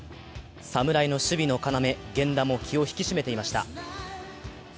侍の守備の要・源田も気を引き締めていました。